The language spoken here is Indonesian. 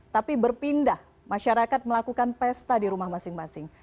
tapi berpindah masyarakat melakukan pesta di rumah masing masing